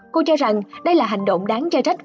cô cho rằng đây là hành động đáng cho trách